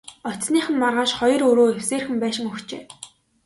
Очсоных нь маргааш хоёр өрөө эвсээрхэн байшин өгчээ.